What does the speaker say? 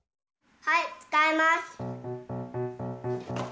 はいつかいます！